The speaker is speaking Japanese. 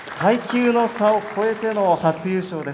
階級の差を超えての初優勝です。